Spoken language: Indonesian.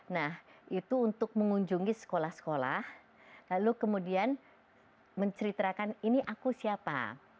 nah itu untuk mengunjungi sekolah sekolah lalu kemudian menceritakan ini aku siapa